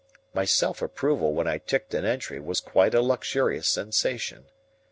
My self approval when I ticked an entry was quite a luxurious sensation.